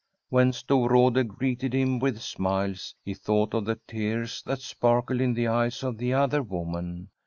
When Storrade greeted him with smiles, he thought of the tears that sparkled in the eyes of the other woman.